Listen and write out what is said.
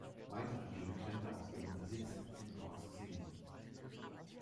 Weitere Gegenstände aus ihrem Besitz sind dort zu sehen.